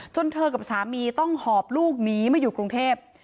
เธอกับสามีต้องหอบลูกหนีมาอยู่กรุงเทพ